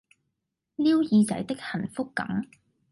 撩耳仔的幸福感